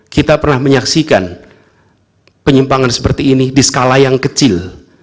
kita pernah menyaksikan penyimpangan seperti ini di skala yang kecil